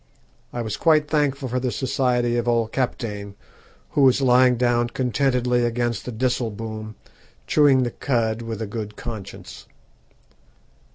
I was quite thankful for the society of old Kaptein, who was lying down contentedly against the disselboom, chewing the cud with a good conscience.